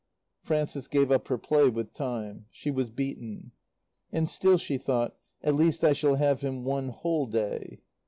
Frances gave up her play with time. She was beaten. And still she thought: "At least I shall have him one whole day."